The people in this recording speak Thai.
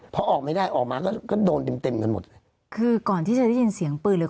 พอออกไม่ได้ออกมาแล้วก็โดนเต็มเต็มกันหมดเลยคือก่อนที่จะได้ยินเสียงปืนหรือ